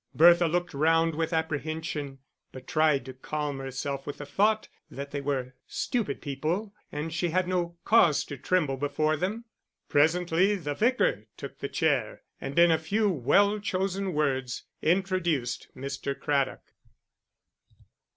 Bertha looked round with apprehension, but tried to calm herself with the thought that they were stupid people and she had no cause to tremble before them. Presently the Vicar took the chair and in a few well chosen words introduced Mr. Craddock.